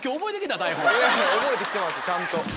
覚えて来てますちゃんと。